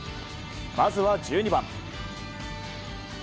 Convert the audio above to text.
まずは１２番。